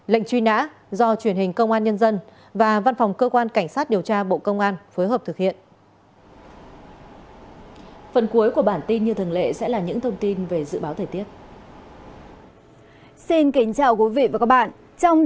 lệnh truy nã do truyền hình công an nhân dân và văn phòng cơ quan cảnh sát điều tra bộ công an phối hợp thực hiện